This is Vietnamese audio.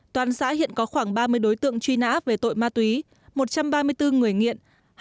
toàn xã hiện có khoảng ba mươi đối tượng truy nã về tội ma túy một trăm ba mươi bốn người nghiện